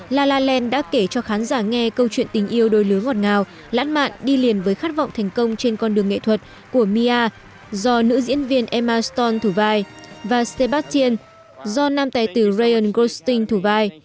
la la land đã kể cho khán giả nghe câu chuyện tình yêu đôi lứa ngọt ngào lãn mạn đi liền với khát vọng thành công trên con đường nghệ thuật của mia do nữ diễn viên emma stone thủ vai và sebastian do nam tài tử ryan goldstein thủ vai